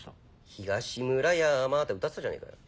「東村山」って歌ってたじゃねえかよ。